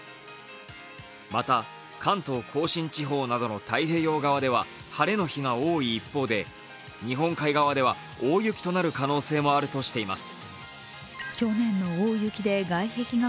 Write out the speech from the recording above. また、関東甲信地方などの太平洋側では晴れの日が多い一方で、日本海側では大雪となる可能性もあるとしています。